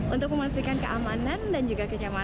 untuk memastikan keamanan dan juga kenyamanan